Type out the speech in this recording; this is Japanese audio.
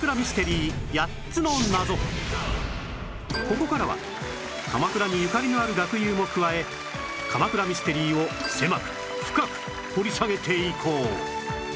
ここからは鎌倉にゆかりのある学友も加え鎌倉ミステリーを狭く深く掘り下げていこう